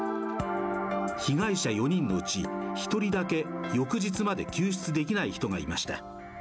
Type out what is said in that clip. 被害者４人のうち、１人だけ翌日まで救出できない人がいました。